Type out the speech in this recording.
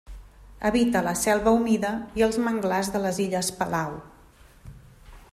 Habita la selva humida i els manglars de les illes Palau.